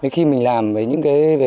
khi mình làm với những cái